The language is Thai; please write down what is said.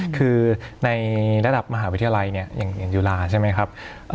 คือในระดับมหาวิทยาลัยเนี่ยอย่างจุฬาใช่ไหมครับ